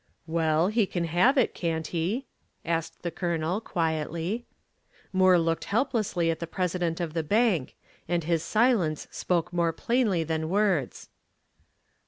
"Well, he can have it, can't he?" asked the Colonel quietly. Moore looked helplessly at the president of the bank, and his silence spoke more plainly than words.